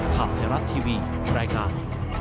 ข้าวไทยรัตน์ทีวีรายการ